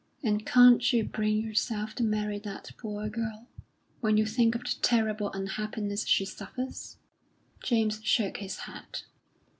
"And can't you bring yourself to marry that poor girl, when you think of the terrible unhappiness she suffers?" James shook his head.